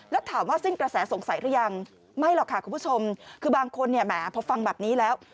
แล้วถามว่าสิ้นกระแสสงสัยหรือยังไม่หรอกค่ะคุณผู้ชมคือบางคนเนี่ยแหมพอฟังแบบนี้แล้ว